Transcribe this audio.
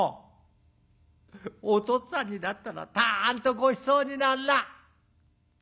「おとっつぁんにだったらたんとごちそうになんな」。